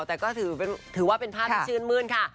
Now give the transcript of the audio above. แต่ก็ถือว่าเป็นภาพที่ชื่นมื้นค่ะ